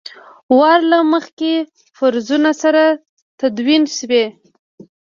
وار له مخکې فرضونو سره تدوین شوي.